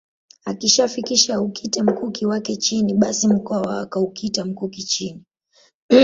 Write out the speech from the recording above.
Akishafika aukite mkuki wake chini basi Mkwawa akaukita mkuki chini